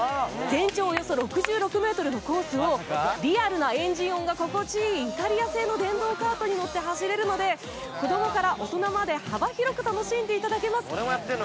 全長およそ６６ｍのコースをリアルなエンジン音が心地いいイタリア製の電動カートに乗って走れるので、子どもから大人まで幅広く楽しんでいただけます。